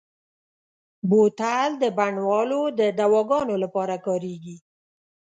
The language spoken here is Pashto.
بوتل د بڼوالو د دواګانو لپاره کارېږي.